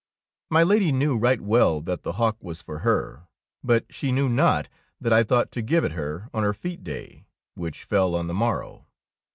My Lady knew right well that the hawk was for her, but she knew not that I thought to give it her on her fete day, which fell on the morrow.